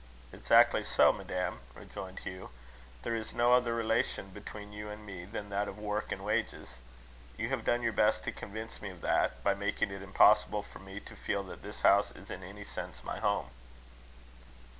"Exactly so, madam," rejoined Hugh. "There is no other relation between you and me, than that of work and wages. You have done your best to convince me of that, by making it impossible for me to feel that this house is in any sense my home."